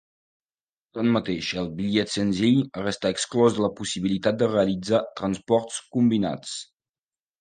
Tanmateix el bitllet senzill resta exclòs de la possibilitat de realitzar transports combinats.